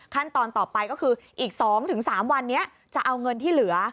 ขั้นตอนต่อไปก็คืออีก๒๓วันนี้จะเอาเงินที่เหลือ